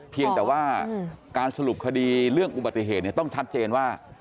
เพียงแต่ว่าการสรุปคดีเรื่องอุบัติเหตุต้องชัดเจนว่า